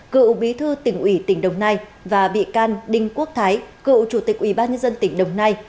cựu bí thư tỉnh ủy tỉnh đồng nai và bị can đinh quốc thái cựu chủ tịch ủy ban nhân dân tỉnh đồng nai